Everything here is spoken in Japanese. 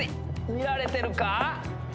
見られてるか？